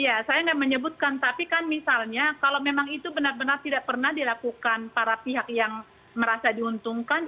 iya saya tidak menyebutkan tapi kan misalnya kalau memang itu benar benar tidak pernah dilakukan para pihak yang merasa diuntungkan